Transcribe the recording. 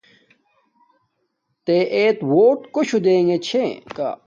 تے ایت ووت کو ݽوہ دینے چھے کا۔